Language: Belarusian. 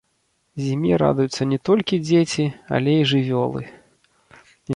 Зіме радуюцца не толькі дзеці, але і жывёлы.